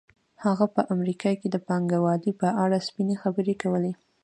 هغه په امریکا کې د پانګوالۍ په اړه سپینې خبرې کولې